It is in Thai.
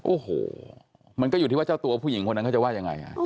โอ้โหมันก็อยู่ที่ว่าเจ้าตัวผู้หญิงคนนั้นเขาจะว่ายังไง